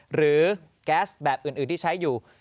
แก๊สแบบอื่นที่ใช้อยู่